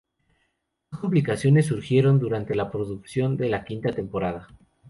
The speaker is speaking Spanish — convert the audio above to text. Más complicaciones surgieron durante la producción de la quinta temporada.